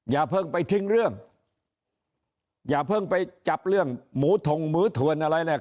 อย่าเพิ่งไปทิ้งเรื่องอย่าเพิ่งไปจับเรื่องหมูทงหมูเถื่อนอะไรแหละ